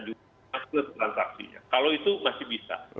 juga masuk transaksinya kalau itu masih bisa